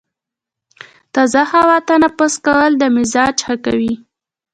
تازه هوا تنفس کول د مزاج ښه کوي.